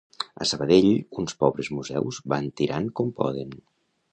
A Sabadell, uns pobres museus van tirant com poden.